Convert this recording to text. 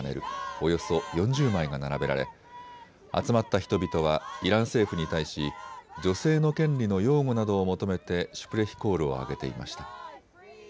およそ４０枚が並べられ集まった人々はイラン政府に対し女性の権利の擁護などを求めてシュプレヒコールを上げていました。